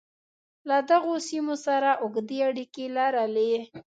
له دغو سیمو سره اوږدې اړیکې لرلې.